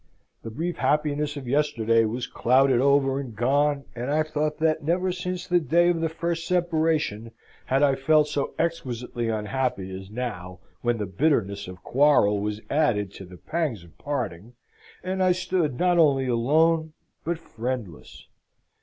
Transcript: The brief happiness of yesterday was clouded over and gone, and I thought that never since the day of the first separation had I felt so exquisitely unhappy as now, when the bitterness of quarrel was added to the pangs of parting, and I stood not only alone but friendless.